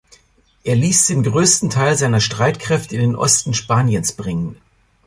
Er ließ den größten Teil seiner Streitkräfte in den Osten Spaniens bringen.